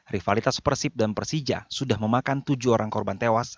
rivalitas persib dan persija sudah memakan tujuh orang korban tewas